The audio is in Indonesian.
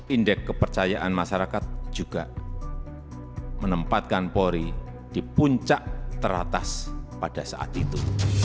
indeks kepercayaan masyarakat juga menempatkan polri di puncak teratas pada saat itu